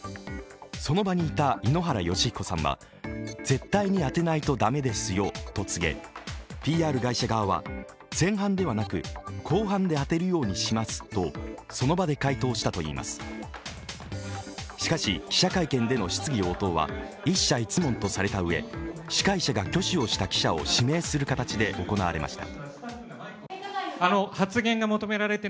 その場にいた井ノ原快彦さんは絶対に当てないと駄目ですよと告げＰＲ会社側は前半ではなく後半で当てるようにしますとその場で回答したといいますしかし、記者会見での質疑応答は１社１問とされたうえ、司会者が挙手をした記者を指名する形で行われました。